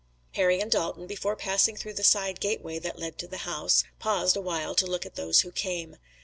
Harry and Dalton, before passing through the side gateway that led to the house, paused awhile to look at those who came.